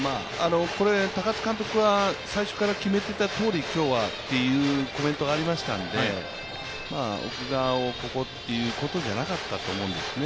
高津監督は最初から決めていたとおり、今日はというコメントがありましたんで奥川をここということじゃなかったと思うんですね。